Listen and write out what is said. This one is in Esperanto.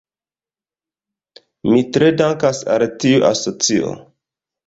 Mi tre dankas al tiu asocio.